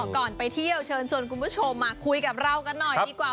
ไปเที่ยวเชิญชวนคุณผู้ชมมาคุยกับเรากันหน่อยดีกว่า